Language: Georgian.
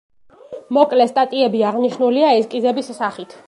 მოკლე სტატიები აღნიშნულია ესკიზების სახით.